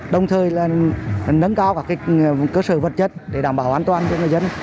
đồng thời là nâng cao các cơ sở vật chất để đảm bảo an toàn cho người dân